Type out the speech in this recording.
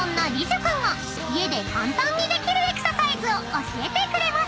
君が家で簡単にできるエクササイズを教えてくれます。